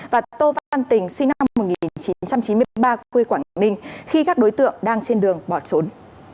và tô văn tình sinh năm một nghìn chín trăm chín mươi ba quê quảng ninh khi các đối tượng đang trên đường bỏ trốn